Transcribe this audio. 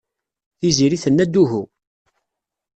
Tiziri tenna-d uhu.